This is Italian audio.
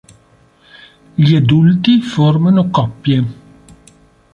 Gli adulti formano coppie.